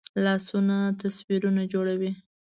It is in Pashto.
لاسونه تصویرونه جوړوي